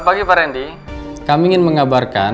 barang sama keluarga